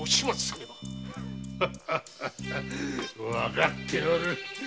わかっておる。